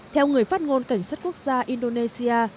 theo người phát ngôn cảnh sát quốc gia indonesia